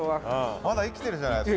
まだ生きてるじゃないですか。